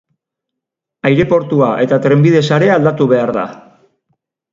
Aireportua eta trenbide sarea aldatu behar da.